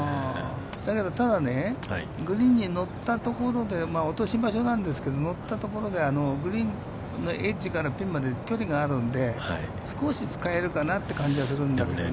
だけど、ただ、グリーンに乗ったところで、落とし場所なんですけど、乗ったところがグリーンのエッジからピンまで距離があるので、少しつかえるかなという感じがするんだけどね。